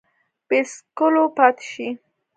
بې څکلو پاته شي